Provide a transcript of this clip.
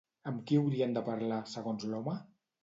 Amb qui haurien de parlar, segons l'home?